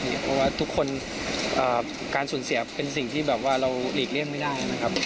เพราะว่าการสูญเสียเป็นสิ่งที่เราหลีกเลี่ยงไม่ได้นะครับ